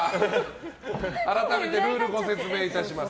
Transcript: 改めてルールをご説明いたします。